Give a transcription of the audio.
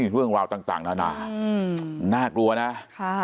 เรื่องราวต่างนานาน่ากลัวนะ